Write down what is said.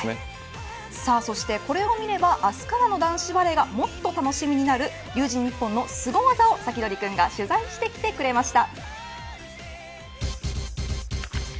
そしてこれを見れば明日からの男子バレーがもっと楽しみになる龍神ＮＩＰＰＯＮのすご技をサキドリくんが取材してきてくれました